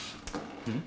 うん？